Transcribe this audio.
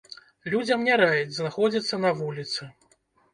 Людзям не раяць знаходзіцца на вуліцы.